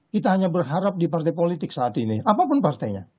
kita hanya berharap di partai politik saat ini apapun partainya